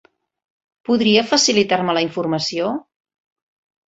Podria facilitar-me la informació?